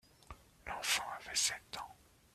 L’enfant avait sept ans.